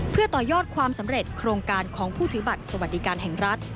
เพื่อต่อยอดความสำเร็จโครงการของผู้ถือบัตรสวัสดิการแห่งรัฐ